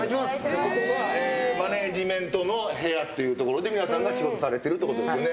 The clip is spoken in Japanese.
ここがマネジメントの部屋っていう所で皆さんが仕事されてるってことですよね？